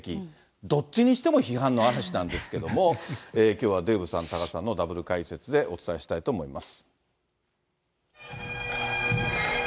どっちにしても批判の嵐なんですけども、きょうはデーブさん、多賀さんのダブル解説でお伝えしたいと思います。